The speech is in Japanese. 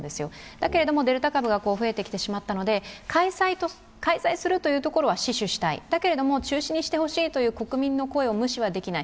だけれども、デルタ株が増えてきてしまったので開催するというところは死守したい、だけれども、中止にしてほしいという国民の声は無視はできない。